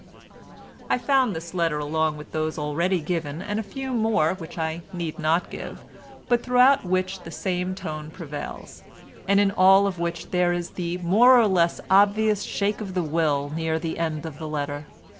I found this letter along with those already given and a few more which I need not give, but throughout which the same tone prevails, and in all of which there is the more or less obvious shake of the will near the end of the letter.